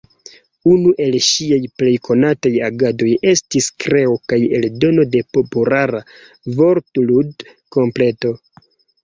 Unu el ŝiaj plej konataj agadoj estis kreo kaj eldono de populara vortlud-kompleto.